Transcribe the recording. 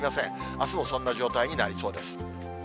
あすもそんな状態になりそうです。